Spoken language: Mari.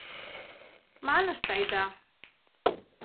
Манышт айда.